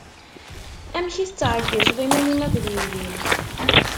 Amek i tettɛeyyiceḍ iman-im akked yelli-m?